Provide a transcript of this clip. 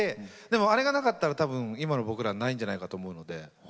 でもあれがなかったら多分今の僕らはないんじゃないかと思うので。